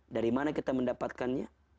dari mana kita mendapatkannya